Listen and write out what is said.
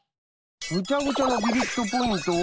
ぐちゃぐちゃのビビットポイント？